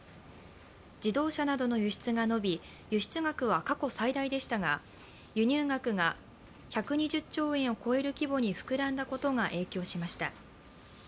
自動車などの輸出が伸び、輸出額は過去最大でしたが輸入額が１２０兆円を超える規模に膨らんだことが影響しました。